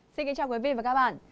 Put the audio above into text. xin kính chào quý vị và các bạn